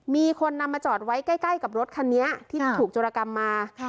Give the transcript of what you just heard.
มีคนนำมาจอดไว้ใกล้กับรถคันนี้ที่ถูกโจรกรรมมา